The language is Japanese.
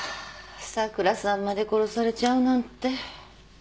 桜さんまで殺されちゃうなんて。